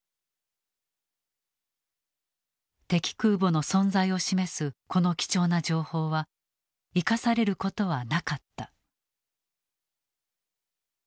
敵空母の存在を示すこの貴重な情報は生かされることはなかった。